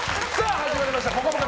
始まりました、「ぽかぽか」